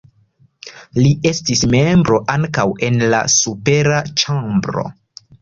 Li estis membro ankaŭ en la supera ĉambro.